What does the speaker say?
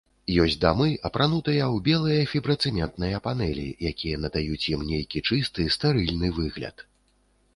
Ёсць дамы, апранутыя ў белыя фібрацэментныя панэлі, якія надаюць ім нейкі чысты, стэрыльны выгляд.